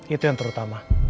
itu yang terutama